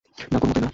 না, কোনোমতেই না।